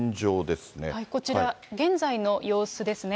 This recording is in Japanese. こちら、現在の様子ですね。